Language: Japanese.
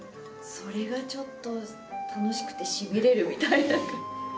それがちょっと楽しくてしびれるみたいな。